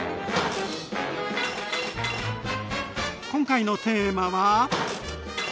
今回のテーマは。